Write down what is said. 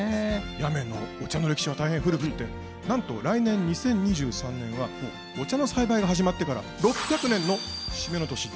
八女のお茶の歴史は大変古くてなんと来年２０２３年はお茶の栽培が始まってから６００年の節目の年。